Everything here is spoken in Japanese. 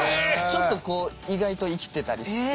ちょっとこう意外と生きてたりして。